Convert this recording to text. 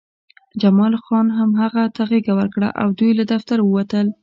جمال خان هم هغه ته غېږه ورکړه او دوی له دفتر ووتل